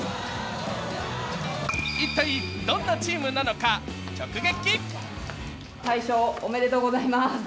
一体、どんなチームなのか直撃。